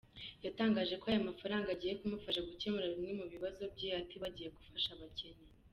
Yatangaje ko aya mafaraganga agiye kumufasha gukemura bimwe mu bibazo bye atibagiwe gufasha abakene.